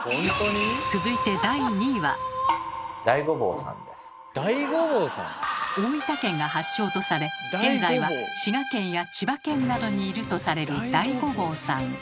続いて大分県が発祥とされ現在は滋賀県や千葉県などにいるとされるだいごぼうさん。